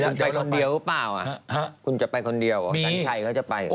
ไปคนเดียวหรือเปล่าอ่ะคุณจะไปคนเดียวหรือเปล่าดันชัยก็จะไปเหรอมี